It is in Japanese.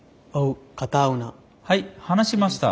はい話しました。